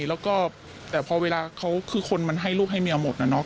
แล้วก็แต่พอเวลาเขาคือคนมันให้ลูกให้เมียหมดนะเนาะ